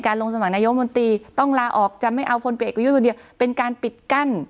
คนมนตรีต้องละออกจะไม่เอาคนปเลียนเป็นการปิดกั้น